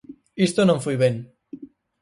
"Isto non foi ben".